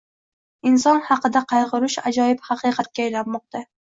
inson haqida qaygʻurish ajoyib haqiqatga aylanmoqda.